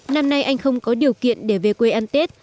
năm nay anh không có điều kiện để về quê ăn tết